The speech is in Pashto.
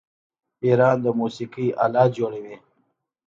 ایران د موسیقۍ الات جوړوي.